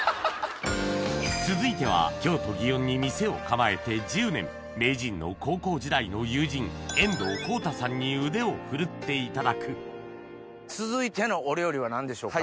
続いては京都・祇園に店を構えて１０年名人の高校時代の友人遠藤功太さんに腕を振るっていただく続いてのお料理は何でしょうか？